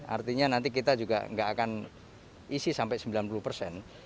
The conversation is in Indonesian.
artinya nanti kita juga nggak akan isi sampai sembilan puluh persen